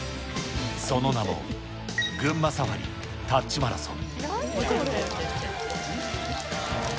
その名も、群馬サファリタッチマラソン。